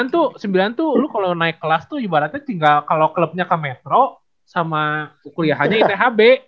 sembilan tuh sembilan tuh lu kalau naik kelas tuh ibaratnya tinggal kalau clubnya ke metro sama kuliahannya ithb